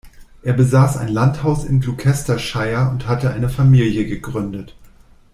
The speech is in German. Er besaß ein Landhaus in Gloucestershire und hatte eine Familie gegründet.